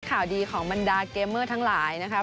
ข่าวดีของบรรดาเกมเมอร์ทั้งหลายนะคะ